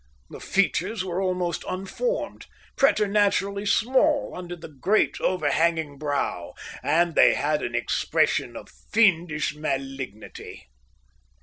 The features were almost unformed, preternaturally small under the great, overhanging brow; and they had an expression of fiendish malignity.